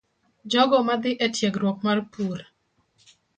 Jogo madhi e tiegruok mar pur,